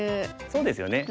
そうですよね。